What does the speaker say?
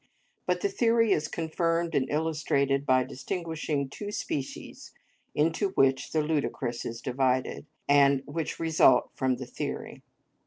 But the theory is confirmed and illustrated by distinguishing two species into which the ludicrous is divided, and which result from the theory.